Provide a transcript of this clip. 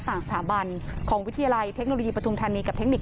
ต่างสถาบันของวิทยาลัยเทคโนโลยีปฐุมธานีกับเทคนิค